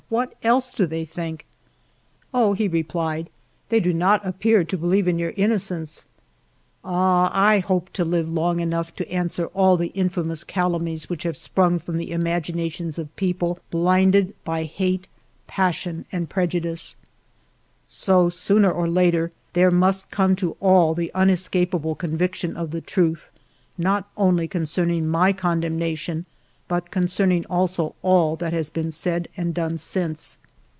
" What else do they think ?"" Oh," he replied, " they do not appear to be lieve in your innocence." " Ah ! I hope to live long enough to answer all the infamous calumnies which have sprung from fe 140 FIVE YEARS OF MY LIFE the Imaginations of people blinded by hate, passion, and prejudice !" So, sooner or later, there must come to all the unescapable conviction of the truth, not only con cerning my condemnation, but concerning also all that has been said and done since.